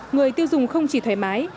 người tiêu dùng không chỉ thoải mái